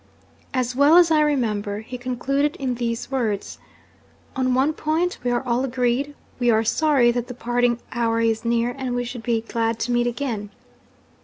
'As well as I remember, he concluded in these words: "On one point, we are all agreed we are sorry that the parting hour is near, and we should be glad to meet again.